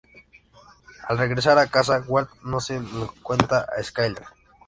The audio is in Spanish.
Al regresar a casa, Walt no se lo cuenta a Skyler.